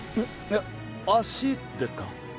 え足ですか？